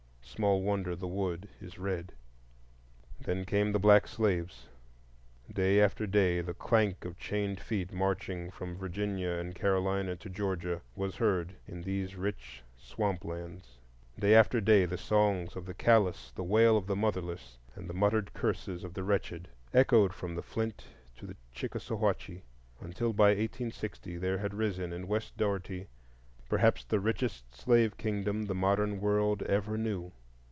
Small wonder the wood is red. Then came the black slaves. Day after day the clank of chained feet marching from Virginia and Carolina to Georgia was heard in these rich swamp lands. Day after day the songs of the callous, the wail of the motherless, and the muttered curses of the wretched echoed from the Flint to the Chickasawhatchee, until by 1860 there had risen in West Dougherty perhaps the richest slave kingdom the modern world ever knew.